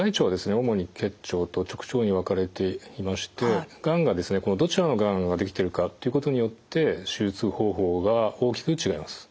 主に結腸と直腸に分かれていましてがんがどちらのがんができてるかっていうことによって手術方法が大きく違います。